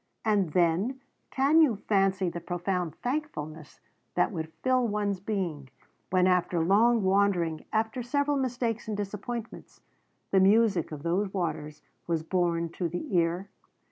And then can you fancy the profound thankfulness that would fill one's being, when after long wandering, after several mistakes and disappointments, the music of those waters was borne to the ear?